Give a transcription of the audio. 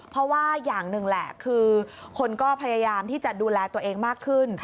เพราะว่าอย่างหนึ่งแหละคือคนก็พยายามที่จะดูแลตัวเองมากขึ้น